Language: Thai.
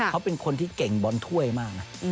เขาเป็นคนที่เก่งบอลถ้วยมากนะ